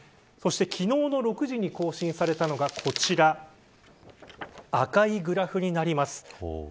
そして、昨日の６時に更新されたのがこちら赤いグラフになります。